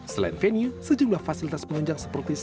selain venue sejumlah fasilitas penunjang seperti saran teknik